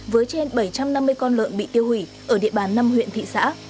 với trên bảy trăm năm mươi con lợn bị tiêu hủy ở địa bàn năm huyện thị xã